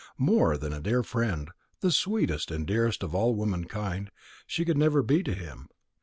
More than a dear friend, the sweetest and dearest of all womankind, she could never be to him.